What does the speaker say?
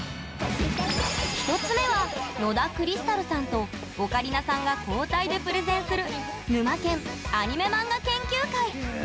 １つ目は、野田クリスタルさんとオカリナさんが交代でプレゼンする「ぬまけん！アニメ漫画研究会」。